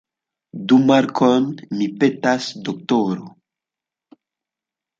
Du markojn, mi petas, doktoro.